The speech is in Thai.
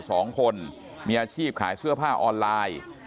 สองคนมีอาชีพขายเสื้อผ้าออนไลน์